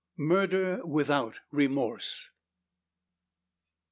MURDER WITHOUT REMORSE.